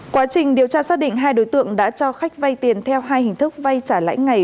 quá trình điều tra xác định hai đối tượng đã cho khách vay tiền theo hai hình thức vay trả lãi ngày